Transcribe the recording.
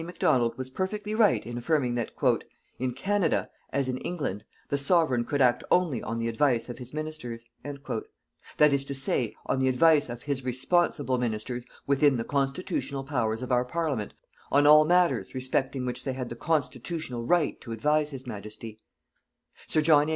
Macdonald was perfectly right in affirming that "_in Canada, as in England, the Sovereign could act only on the advice of His Ministers," that is to say on the advice of His responsible Ministers within the constitutional powers of our Parliament on all matters respecting which they had the constitutional right to advise His Majesty_. Sir John A.